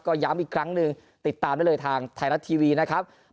ก็ย้ำอีกครั้งหนึ่งติดตามได้เลยทางไทยรัฐทีวีนะครับ